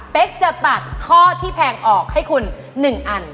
จะตัดข้อที่แพงออกให้คุณ๑อัน